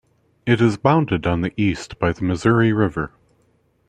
It is bounded on the east by the Missouri River.